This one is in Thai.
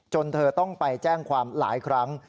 เธอต้องไปแจ้งความหลายครั้ง